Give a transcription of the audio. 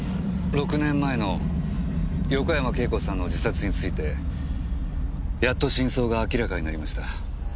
６年前の横山慶子さんの自殺についてやっと真相が明らかになりました。